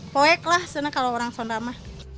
poek lah sebenarnya kalau orang sonrama